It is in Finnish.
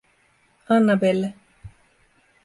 Annabelle.